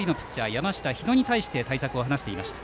山下、日野に対して対策を話していました。